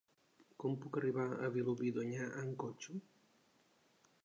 Com puc arribar a Vilobí d'Onyar amb cotxe?